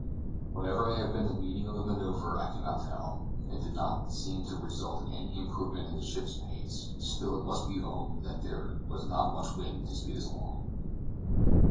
Whatever may have been the meaning of the maneuver, I cannot tell; it did not seem to result in any improvement in the ship's pace; still it must be owned there was not much wind to speed us along.